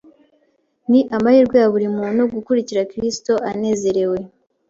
Ni amahirwe ya buri muntu gukurikira Kristo anezerewe,